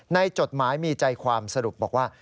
จดหมายมีใจความสรุปบอกว่า